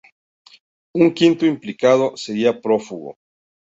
Un quinto implicado seguía prófugo.